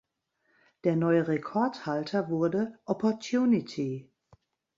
Der neue Rekordhalter wurde Opportunity.